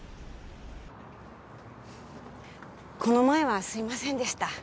この前はすいませんでした